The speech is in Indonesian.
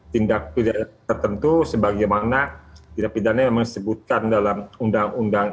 tindak pidana tertentu sebagaimana tindak pidana yang disebutkan dalam undang undang